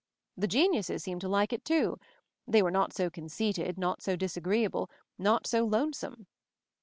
The geniuses seemed to like it too. They were not so conceited, not so disagreeable, not so lonesome.